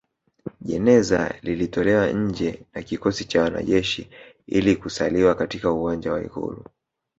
Jeneza lilitolewa nje na kikosi cha wanajeshi ili kusaliwa katika uwanja wa Ikulu